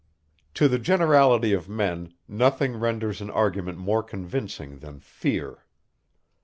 To the generality of men, nothing renders an argument more convincing than fear.